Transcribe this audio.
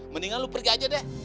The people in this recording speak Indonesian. mendingan lu pergi aja deh